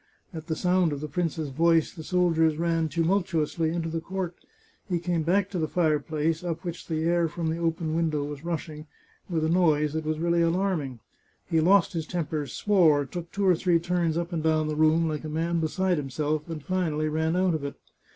At the sound of the prince's voice, the soldiers ran tumultuously into the court. He came back to the fireplace, up which the air from the open window was rushing, with a noise that was really alarming. He lost his temper, swore, took two or three turns up and down the room, like a man beside himself, and finally ran out of it.